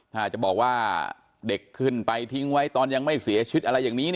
ถ้าจะบอกว่าเด็กขึ้นไปทิ้งไว้ตอนยังไม่เสียชีวิตอะไรอย่างนี้